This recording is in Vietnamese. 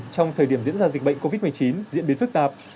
trong thời điểm diễn ra dịch bệnh covid một mươi chín diễn biến phức tạp